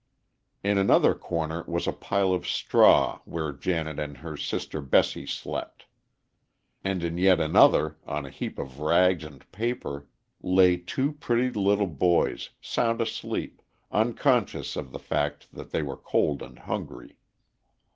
In another corner was a pile of straw where Janet and her sister Bessie slept; and in yet another, on a heap of rags and paper, lay two pretty little boys, sound asleep, unconscious of the fact that they were cold and hungry.